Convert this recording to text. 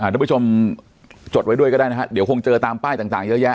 ทุกผู้ชมจดไว้ด้วยก็ได้นะฮะเดี๋ยวคงเจอตามป้ายต่างเยอะแยะ